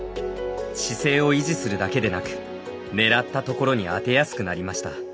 姿勢を維持するだけでなく狙ったところに当てやすくなりました。